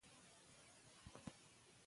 ښوونځي به تر پایه نظم ساتلی وي.